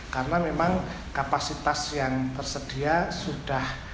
karena memang kapasitas yang tersedia sudah